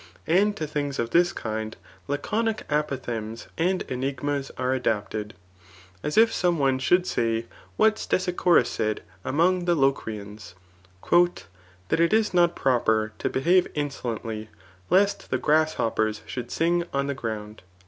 And to things of this kind Laconic apophth^ms and enigmas are adapted ; as if some one should say what Stesichorus said among the Locrians, *^ That it is not proper to behave inso* lently, lest the grasshoppers should sing on the ground."